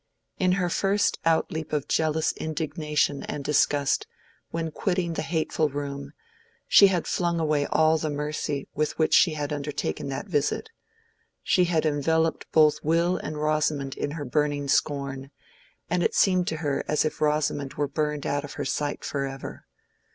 In her first outleap of jealous indignation and disgust, when quitting the hateful room, she had flung away all the mercy with which she had undertaken that visit. She had enveloped both Will and Rosamond in her burning scorn, and it seemed to her as if Rosamond were burned out of her sight forever.